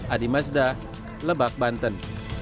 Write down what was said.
adi mazda lebak banten